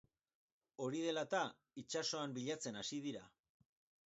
Hori dela eta, itsasoan bilatzen hasi dira.